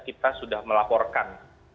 kita sudah melaporkan